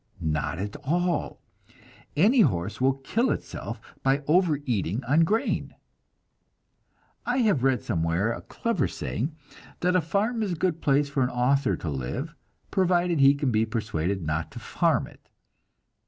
Not at all. Any horse will kill itself by overeating on grain. I have read somewhere a clever saying, that a farm is a good place for an author to live, provided he can be persuaded not to farm it.